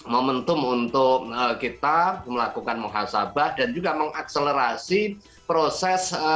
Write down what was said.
momentum untuk kita melakukan muhasabah dan juga mengakselerasi proses